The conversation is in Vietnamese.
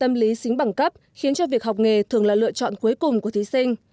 tâm lý xính bằng cấp khiến cho việc học nghề thường là lựa chọn cuối cùng của thí sinh